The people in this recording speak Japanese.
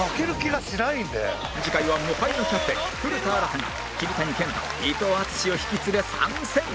次回は無敗のキャプテン古田新太が桐谷健太伊藤淳史を引き連れ参戦！